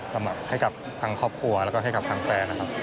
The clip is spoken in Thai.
สำหรับให้กับทางครอบครัวแล้วก็ให้กับทางแฟนนะครับ